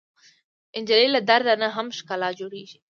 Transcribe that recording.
نجلۍ له درد نه هم ښکلا جوړوي.